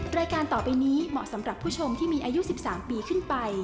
รายการต่อไปนี้เหมาะสำหรับผู้ชมที่มีอายุ๑๓ปีขึ้นไป